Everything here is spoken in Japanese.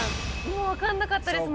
もう分かんなかったです